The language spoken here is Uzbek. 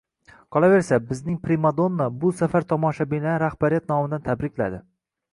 Kolaversa, bizning Primadonna, bu safar tomoshabinlarni rahbariyat nomidan tabrikladi